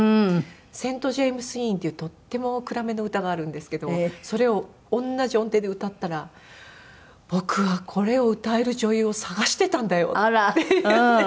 『セント・ジェームス病院』っていうとっても暗めの歌があるんですけどそれを同じ音程で歌ったら「僕はこれを歌える女優を探してたんだよ！」って言って。